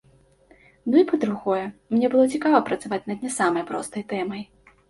Ну, і па-другое, мне было цікава працаваць над не самай простай тэмай.